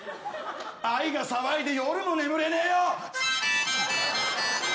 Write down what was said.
愛が騒いで夜も眠れねえよ。